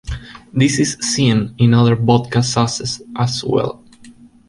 This is seen in other vodka sauces, as well.